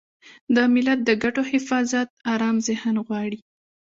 د ملت د ګټو حفاظت ارام ذهن غواړي.